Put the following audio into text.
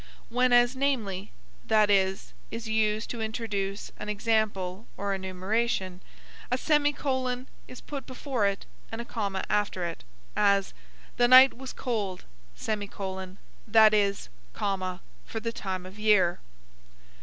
When as, namely, that is, is used to introduce an example or enumeration, a semicolon is put before it and a comma after it; as, The night was cold; that is, for the time of year.